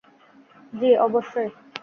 জ্বি, অবশ্যই।